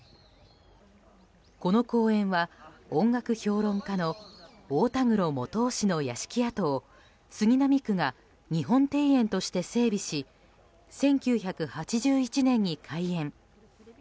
この公園は、音楽評論家の大田黒元雄氏の屋敷跡を杉並区が日本庭園として整備し１９８１年に開園。